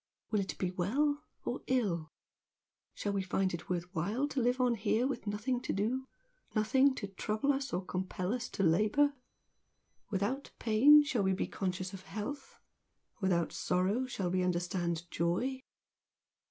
Will it be well or ill? Shall we find it worth while to live on here with nothing to do? nothing to trouble us or compel us to labour? Without pain shall we be conscious of health? without sorrow shall we understand joy?"